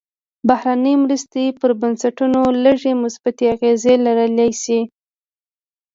بهرنۍ مرستې پر بنسټونو لږې مثبتې اغېزې لرلی شي.